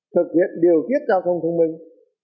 thực hiện điều tiết giao thông thông minh